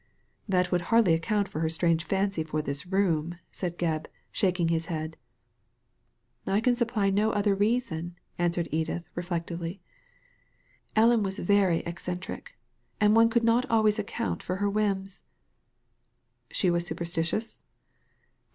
"That would hardly account for her strange fancy for the room," said Gebb, shaking his head. " I can supply no other reason," answered Edith, reflectively. "Ellen was very eccentric, and one could not always account for her whims." " She was superstitious